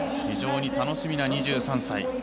非常に楽しみな２３歳。